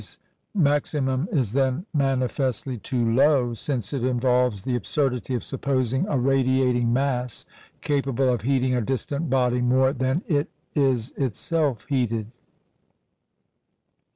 Pouillet's maximum is then manifestly too low, since it involves the absurdity of supposing a radiating mass capable of heating a distant body more than it is itself heated.